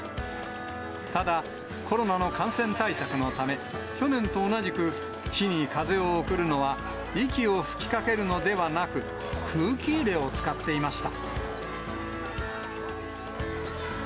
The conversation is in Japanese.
ただ、コロナの感染対策のため、去年と同じく火に風を送るのは、息を吹きかけるのではなく、空気入れを使っていました。